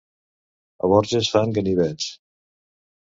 A Borges fan ganivets.